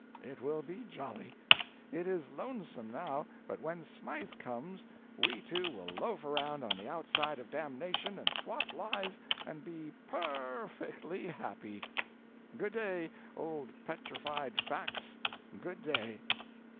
It will be jolly. It is lonesome now, but when Smythe comes we two will loaf around on the outside of damnation and swap lies and be p e r fectly happy. Good day, old Petrified Facts, good day."